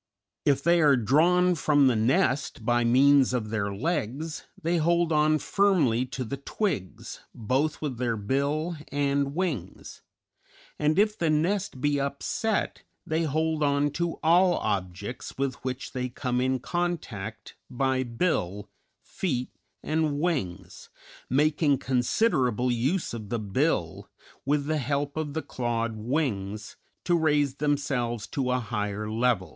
If they are drawn from the nest by means of their legs, they hold on firmly to the twigs, both with their bill and wings; and if the nest be upset they hold on to all objects with which they come in contact by bill, feet, and wings, making considerable use of the bill, with the help of the clawed wings, to raise themselves to a higher level.